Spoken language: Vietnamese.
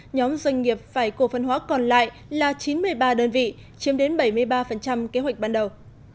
nhóm doanh nghiệp phải cổ phân hóa còn lại là chín mươi ba đơn vị chiếm đến bảy mươi ba kế hoạch ban đầu